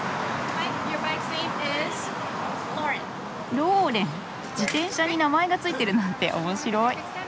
ローレン自転車に名前が付いてるなんて面白い。